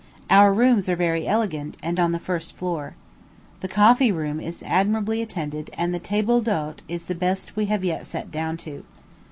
Our rooms are very elegant, and on the first floor. The coffee room is admirably attended, and the table d'hôte is the best we have yet set down to.